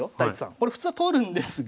これ普通は取るんですが。